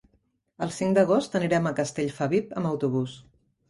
El cinc d'agost anirem a Castellfabib amb autobús.